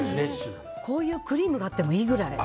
こういうクリームがあってもいいぐらい。